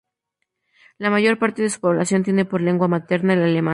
La mayor parte de su población tiene por lengua materna el alemán.